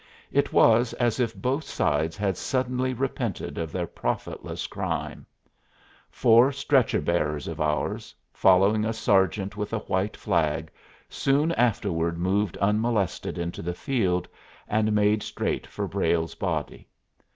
It was as if both sides had suddenly repented of their profitless crime. Four stretcher bearers of ours, following a sergeant with a white flag, soon afterward moved unmolested into the field, and made straight for Brayle's body.